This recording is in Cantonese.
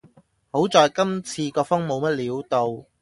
好在今次個風冇乜料到